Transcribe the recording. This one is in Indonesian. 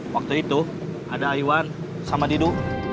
waktu itu ada iwan sama didu